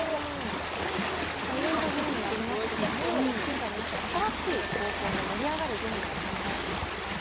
いろいろゲームはありますけども今回は皆さんに新しい合コンで盛り上がるゲームを考えていただきます。